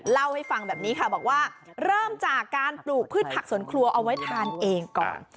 เล่าให้ฟังแบบนี้ค่ะบอกว่าเริ่มจากการปลูกพืชผักสวนครัวเอาไว้ทานเองก่อน